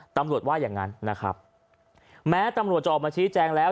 ตำรวจว่าอย่างนั้นนะครับแม้ตำรวจจะออกมาชี้แจงแล้ว